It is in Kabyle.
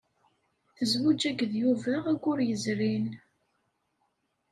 Tezwej akked Yuba ayyur yezrin.